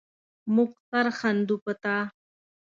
مونږ سر ښندو په تا